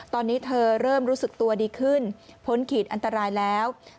ตอนนี้เธอเริ่มรู้สึกตัวดีขึ้นพ้นขีดอันตรายแล้ว